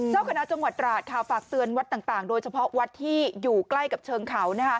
เจ้าคณะจังหวัดตราดค่ะฝากเตือนวัดต่างโดยเฉพาะวัดที่อยู่ใกล้กับเชิงเขา